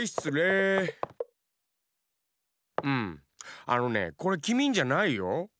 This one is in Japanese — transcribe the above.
うんあのねこれきみんじゃないよ。